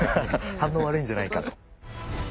反応悪いんじゃないかと。